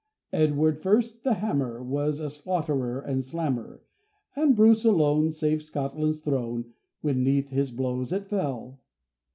Edward First, the Hammer, Was a slaughterer and slammer, And Bruce alone Saved Scotland's throne, When 'neath his blows it fell.